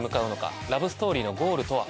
ラブストーリーのゴールとは？